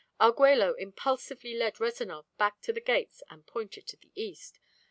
Arguello impulsively led Rezanov back to the gates and pointed to the east.